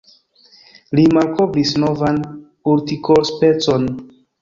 Li malkovris novan urtikospecon.